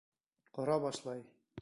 Ҡора башлай.